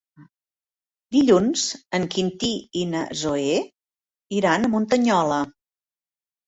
Dilluns en Quintí i na Zoè iran a Muntanyola.